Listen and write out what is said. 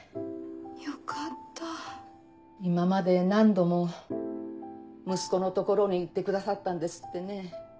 よかった今まで何度も息子の所に行ってくださったんですってね。